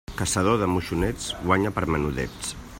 Caçador de moixonets guanya per menudets.